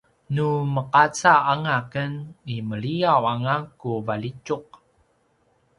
nu meqaca anga ken i meliyaw anga ku valjitjuq